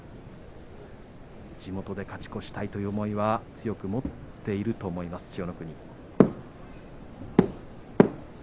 地元で勝ち越したいという思いは強く持っていると思います千代の国。